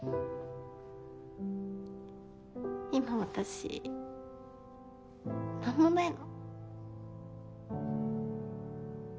今私何もないの。